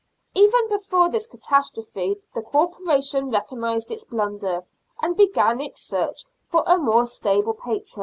Even before this catastrophe the Corpora tion recognised its blunder, and began its search for a more stable patron.